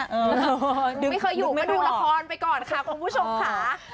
ไม่เคยอยู่มาดูละครไปก่อนค่ะคุณผู้ชมค่ะ